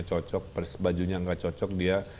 cocok bajunya nggak cocok dia